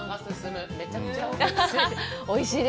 めちゃくちゃおいしい。